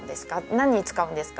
何に使うんですか？